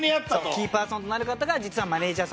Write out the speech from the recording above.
キーパーソンとなる方が実はマネジャーさんのヒメ。